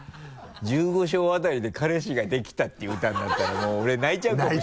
１５章あたりで「彼氏ができた」ていう歌になったらもう俺泣いちゃうかもしれない。